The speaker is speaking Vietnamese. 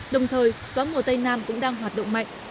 đồng thời gió mùa tây nam cũng đang hoạt động mạnh